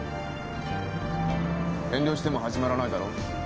遠慮しても始まらないだろ。